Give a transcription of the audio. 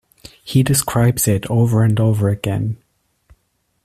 He describes it over and over again.